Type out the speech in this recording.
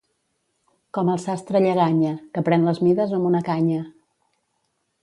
Com el sastre Lleganya, que pren les mides amb una canya.